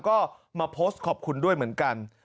ก็มาโพสต์ขอบคุณด้วยเหมือนกัน